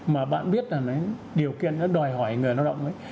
mà bạn biết là điều kiện nó đòi hỏi người lao động ấy